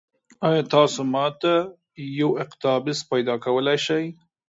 ایا تاسو ما ته یو اقتباس پیدا کولی شئ؟